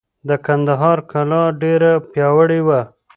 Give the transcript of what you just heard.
د کندهار کلا ډېره پیاوړې وه.